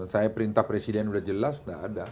saya perintah presiden udah jelas nggak ada